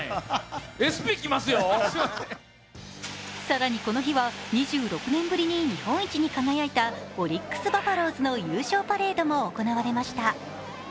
更に、この日は２６年ぶりに日本一に輝いたオリックス・バファローズの優勝パレードも行われました。